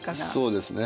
そうですね。